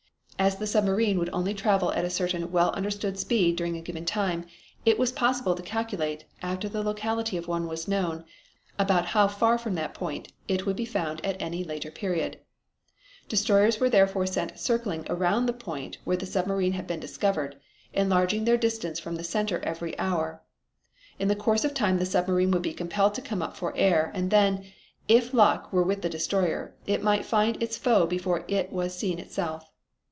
As the submarine would only travel at a certain well understood speed during a given time, it was possible to calculate, after the locality of one was known, about how far from that point it would be found at any later period. Destroyers were therefore sent circling around the point where the submarine had been discovered, enlarging their distance from the center every hour. In the course of time the submarine would be compelled to come up for air, and then, if luck were with the destroyer, it might find its foe before it was seen itself.